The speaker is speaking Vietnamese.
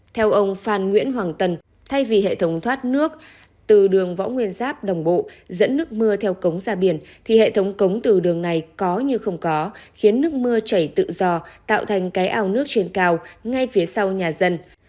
theo ông phan nguyễn hoàng tần thay vì hệ thống thoát nước từ đường võ nguyên giáp đồng bộ dẫn nước mưa theo cống ra biển thì hệ thống cống từ đường này có như không có khiến nước mưa chảy tự do tạo thành cái ao nước trên cao ngay phía sau nhà dân